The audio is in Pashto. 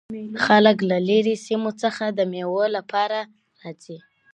خلک له ليري سیمو څخه د مېلو له پاره راځي.